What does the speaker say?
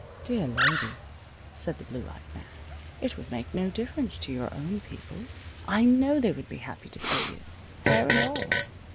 "Dear lady," said the blue eyed man, "it would make no difference to your own people. I know they would be happy to see you, hair and all.